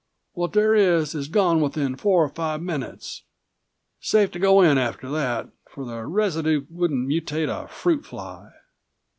What there is is gone within four or five minutes. Safe to go in after that, for the residue wouldn't mutate a fruitfly.